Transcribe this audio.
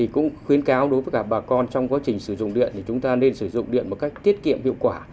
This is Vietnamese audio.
cũng khuyến cáo đối với cả bà con trong quá trình sử dụng điện thì chúng ta nên sử dụng điện một cách tiết kiệm hiệu quả